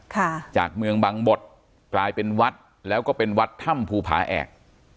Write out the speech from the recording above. ค่ะจากเมืองบังบดกลายเป็นวัดแล้วก็เป็นวัดถ้ำภูผาแอก